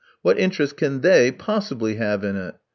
What interest can they possibly have in it?